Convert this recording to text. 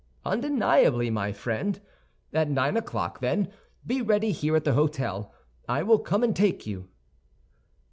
"Undeniably, my friend. At nine o'clock, then, be ready here at the hôtel, I will come and take you."